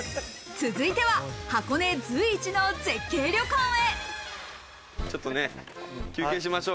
続いては箱根随一の絶景旅館へ。